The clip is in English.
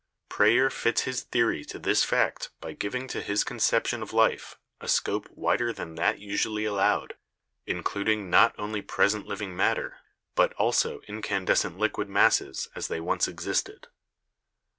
Preyer fits his theory to this fact by giving to his conception of life a scope wider than that usually allowed, including not only present living matter but also incandescent liquid masses as they once existed.